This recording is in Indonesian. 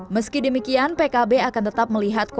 meski demikian pkb akan tetap melihat